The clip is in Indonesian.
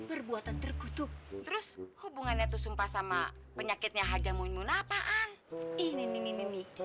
perbuatan terkutuk terus hubungannya tuh sumpah sama penyakitnya haji munah apaan ini ini ini